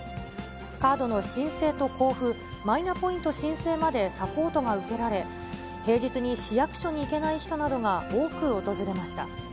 カードの申請と交付、マイナポイント申請までサポートが受けられ、平日に市役所に行けない人などが多く訪れました。